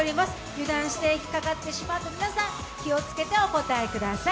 油断していると引っかかってしまうので、皆さん、気をつけてお答えください。